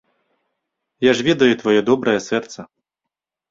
Я ж ведаю тваё добрае сэрца.